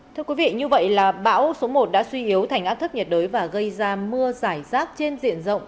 thưa quý vị như vậy là bão số một đã suy yếu thành áp thấp nhiệt đới và gây ra mưa giải rác trên diện rộng